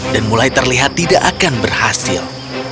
dan mulai terlihat tidak akan berhasil